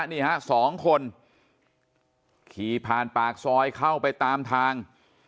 นี่ฮะสองคนขี่ผ่านปากซอยเข้าไปตามทาง